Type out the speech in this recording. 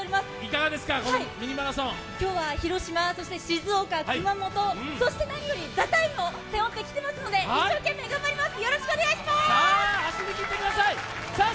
今日は広島、静岡、熊本、そして何より「ＴＨＥＴＩＭＥ，」を背負ってきておりますので一生懸命頑張ります！